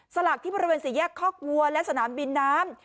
สลักที่บริเวณสี่แยกคอกวัวและสนามบินน้ำ